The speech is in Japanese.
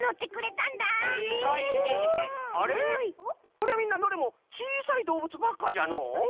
これはみんなどれもちいさいどうぶつばっかじゃのう。